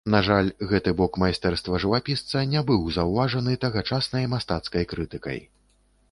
На жаль, гэты бок майстэрства жывапісца не быў заўважаны тагачаснай мастацкай крытыкай.